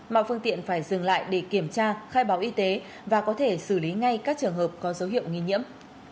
mà phương tiện phải dừng lại để kiểm tra khai báo y tế và có thể xử lý ngay các trường hợp có dấu hiệu nghi nhiễm